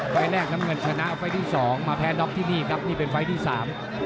ไฟล์แรกน้ำเงินชนะไฟล์ที่สองมาแพ้น็อกที่นี่ครับนี่เป็นไฟล์ที่สาม